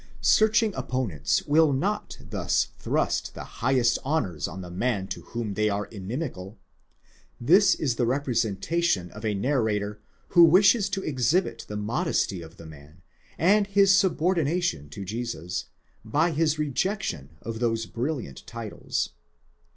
Searching opponents will not thus thrust the highest honours on the man to whom they are inimical ;—this is the representation of a narrator who wishes to exhibit the modesty of the man, and his subordination to Jesus, by his rejection of those brilliant titles.